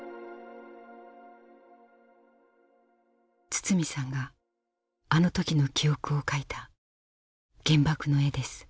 堤さんがあの時の記憶を描いた原爆の絵です。